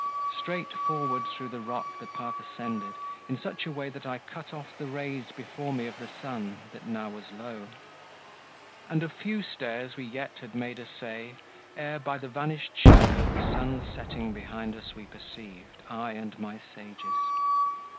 Straight forward through the rock the path ascended In such a way that I cut off the rays Before me of the sun, that now was low. And of few stairs we yet had made assay, Ere by the vanished shadow the sun's setting Behind us we perceived, I and my Sages.